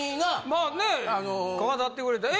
まあね語ってくれて。